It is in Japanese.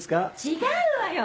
違うわよ！